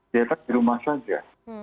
sepertinya di rumah saja